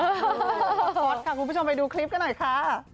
ฮอตค่ะคุณผู้ชมไปดูคลิปกันหน่อยค่ะ